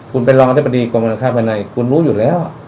คุณเป็นรองอธิบดีกรมการค้าภายในคุณรู้อยู่แล้ว